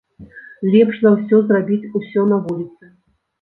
Лепш за ўсё зрабіць усё на вуліцы.